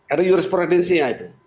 ada jurisprudensi ya itu